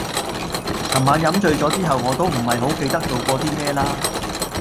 琴晚飲醉咗之後我都唔係好記得做過啲咩啦